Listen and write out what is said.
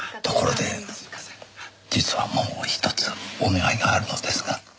ところで実はもう一つお願いがあるのですが。